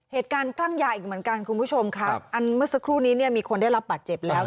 เหตุการณ์คลั่งยาอีกเหมือนกันคุณผู้ชมครับอันเมื่อสักครู่นี้เนี่ยมีคนได้รับบาดเจ็บแล้ว